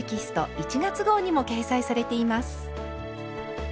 １月号にも掲載されています。